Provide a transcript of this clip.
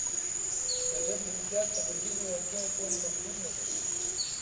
د ژبې امتیاز په غږیزو وړتیاوو پورې محدود نهدی.